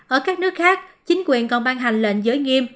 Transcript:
ở các nước khác chính quyền còn ban hành lệnh giới nghiêm